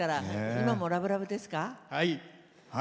今もラブラブですか？